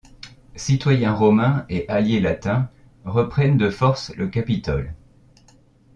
Citoyens romains et alliés latins reprennent de force le Capitole.